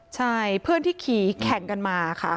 ใช่เพื่อนที่ขี่แข่งกันมาค่ะ